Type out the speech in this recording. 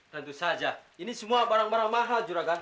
tentu saja ini semua barang barang mahal juragan